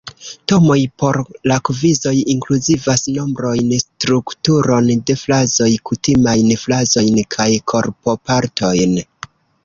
Temoj por la kvizoj inkluzivas nombrojn, strukturon de frazoj, kutimajn frazojn kaj korpopartojn.